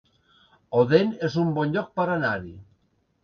Odèn es un bon lloc per anar-hi